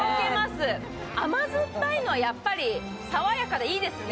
甘酸っぱいのはやっぱり爽やかでいいですね。